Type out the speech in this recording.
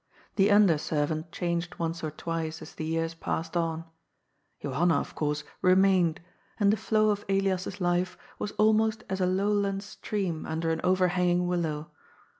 The nnder seryant changed once or twice as the years passed on ; Johanna, of course, remained, and the flow of Elias's life was almost as a low land stream under an overhanging willow.